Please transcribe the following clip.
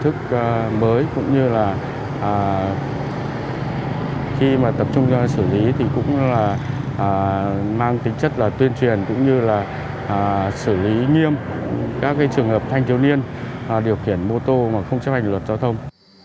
thì đây là một hình thức mới cũng như là khi mà tập trung sử lý thì cũng là mang tính chất là tuyên truyền cũng như là sử lý nghiêm các trường hợp thanh thiếu niên điều khiển mô tô mà không chấp hành luật giao thông